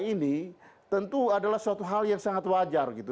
ini tentu adalah suatu hal yang sangat wajar gitu